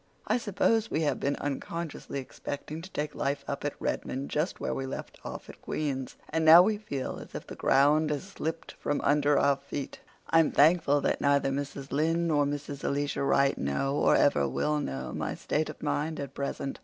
I suppose we have been unconsciously expecting to take life up at Redmond just where we left off at Queen's, and now we feel as if the ground had slipped from under our feet. I'm thankful that neither Mrs. Lynde nor Mrs. Elisha Wright know, or ever will know, my state of mind at present.